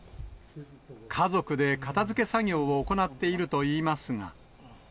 家族で片づけ作業を行っているといいますが。